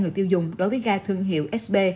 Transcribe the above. người tiêu dùng đối với ga thương hiệu sb